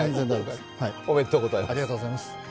おめでとうございます。